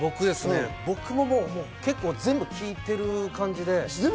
僕も全部聴いている感じで。